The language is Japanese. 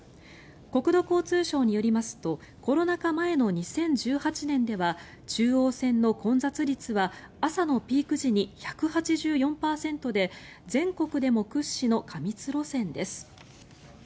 国土交通省によりますとコロナ禍前の２０１８年では中央線の混雑率は朝のピーク時に１８４％で全国でも屈指の過密路線です。